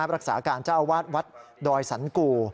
รักษาการเจ้าอาวาสวัดดอยสันกู